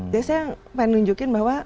jadi saya ingin nunjukin bahwa